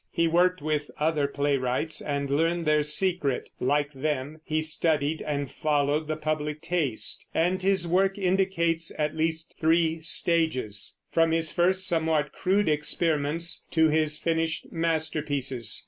He worked with other playwrights and learned their secret. Like them, he studied and followed the public taste, and his work indicates at least three stages, from his first somewhat crude experiments to his finished masterpieces.